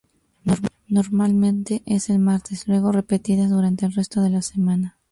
Normalmente es el martes luego repetidas durante el resto de la semana.